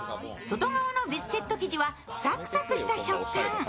外側のビスケット生地はさくさくした食感。